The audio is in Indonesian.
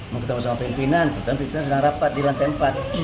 mau ketemu sama pimpinan pimpinan sedang rapat di lantai empat